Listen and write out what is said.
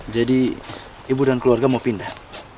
jadi ibu dan keluarga mau pindah